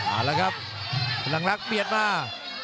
อ๋ออะไรครับพลังลักษณ์เบียดมา